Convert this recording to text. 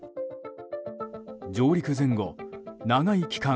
上陸前後、長い期間